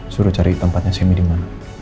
suruh cari tempatnya semi di mana